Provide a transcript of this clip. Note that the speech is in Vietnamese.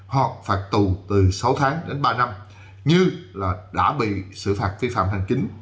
hoặc phạt tù từ sáu tháng đến ba năm như là đã bị xử phạt vi phạm hành chính